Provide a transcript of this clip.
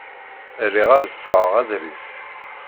Riɣ ad sɣeɣ adlis.